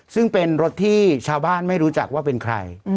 ซึ่งเป็นรถที่ชาวบ้านไม่รู้จักว่าเป็นใคร